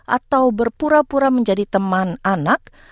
atau berpura pura menjadi teman anak